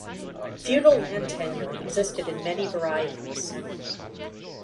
Feudal land tenure existed in many varieties.